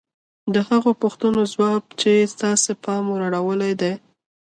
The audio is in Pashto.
د هغو پوښتنو ځواب چې ستاسې پام يې ور اړولی دی.